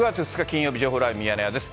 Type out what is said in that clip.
金曜日、情報ライブミヤネ屋です。